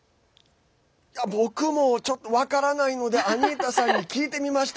僕も分からないのでアニータさんに聞いてみました。